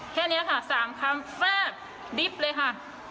แค่เนี้ยค่ะสามคำแฟร์บดิบเลยค่ะ